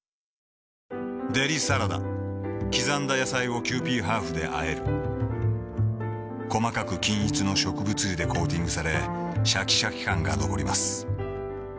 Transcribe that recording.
デリサラダ刻んだ野菜をキユーピーハーフであえる細かく均一の植物油でコーティングされシャキシャキ感が残ります